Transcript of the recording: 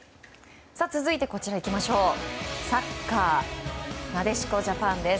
続いて、サッカーなでしこジャパンです。